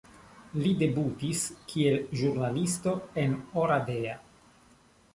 Li debutis kiel ĵurnalisto en Oradea.